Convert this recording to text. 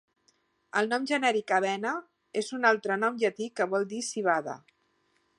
El nom genèric "Avena" és un altre nom llatí que vol dir "civada".